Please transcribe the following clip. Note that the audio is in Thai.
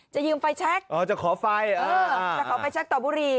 จะยืมไฟแช็คอ๋อจะขอไฟเออจะขอไฟแชคต่อบุรี